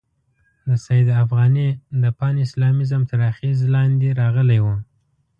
د سید افغاني د پان اسلامیزم تر اغېزې لاندې راغلی وو.